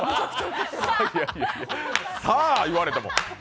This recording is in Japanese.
「さぁ」言われても。